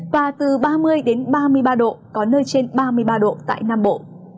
và từ ba mươi ba mươi ba độ có nơi trên ba mươi ba độ tại nam bộ